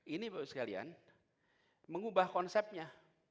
ini baru sekalian mengubah konsepnya